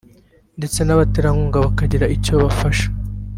ndetse n’abaterankunga bakagira icyo bafasha